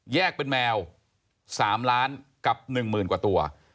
แยกเป็นแมว๓ล้านกับ๑หมื่นกว่าตัว